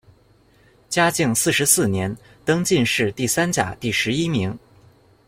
嘉靖四十四年，登进士第三甲第十一名。